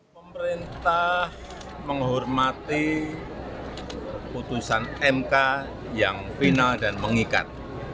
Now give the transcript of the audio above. pemerintah menghormati putusan mk yang final dan mengikat